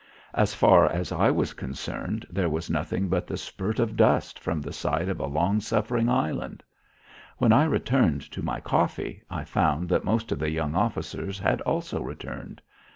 As far as I was concerned, there was nothing but the spirt of dust from the side of a long suffering island. When I returned to my coffee I found that most of the young officers had also returned.